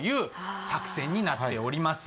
あ作戦になっております